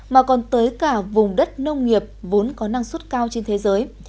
mà còn tới cả vùng đất nông nghiệp vốn có năng suất cao trên thế giới